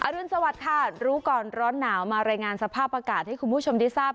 รุนสวัสดิ์ค่ะรู้ก่อนร้อนหนาวมารายงานสภาพอากาศให้คุณผู้ชมได้ทราบ